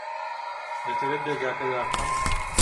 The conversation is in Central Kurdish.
دەتەوێت دەرگاکە دابخەم؟